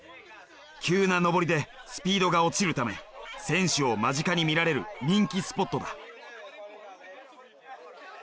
急な上りでスピードが落ちるため選手を間近に見られる人気スポットだ。